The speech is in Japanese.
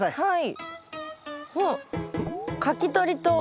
はい。